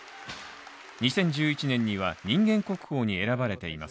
２０１１年には人間国宝に選ばれています